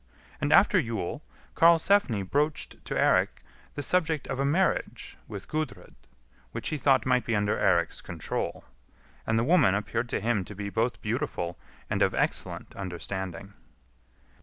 And after Yule, Karlsefni broached to Eirik the subject of a marriage with Gudrid, which he thought might be under Eirik's control, and the woman appeared to him to be both beautiful and of excellent understanding.